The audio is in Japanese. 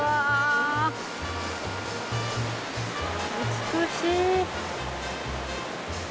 美しい。